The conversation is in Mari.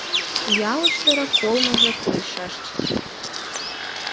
Ялыште роколмажак лийшаш чай.